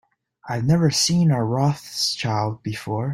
I have never seen a Rothschild before.